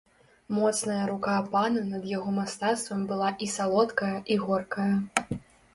Моцная рука пана над яго мастацтвам была і салодкая і горкая.